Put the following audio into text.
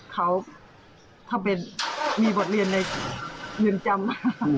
เขาถ้ามีบทเรียนในเงินจำ